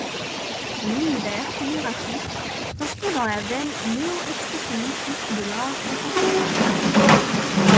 Son univers figuratif s’inscrit dans la veine néo-expressionnisme de l’art contemporain.